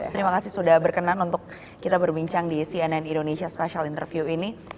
terima kasih sudah berkenan untuk kita berbincang di cnn indonesia special interview ini